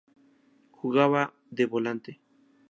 Jugaba de Volante.